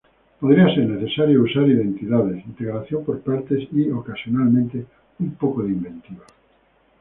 Podría ser necesario usar identidades, integración por partes y, ocasionalmente, un poco de inventiva.